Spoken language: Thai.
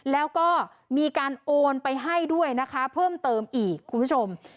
แล้วก็มีการโอนไปให้ด้วยนะคะเพิ่มเติมอีกคุณผู้ชม